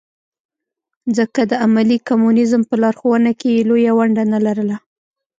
ځکه د عملي کمونیزم په لارښوونه کې یې لویه ونډه نه لرله.